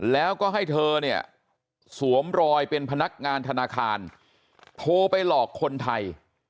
แล้วก็ให้เธอเนี่ยสวมรอยเป็นพนักงานธนาคารโทรไปหลอกคนไทย